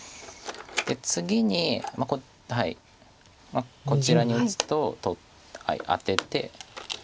で次にこちらに打つとアテて。